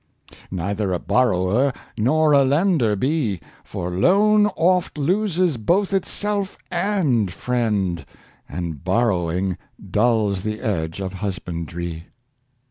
*' Neither a borrower nor a lender be : For loan oft loses both itself and friend ; And borrowing dulls the edge of husbandry.''